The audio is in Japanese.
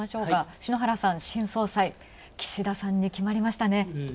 篠原さん、新総裁、岸田さんに決まりましたね。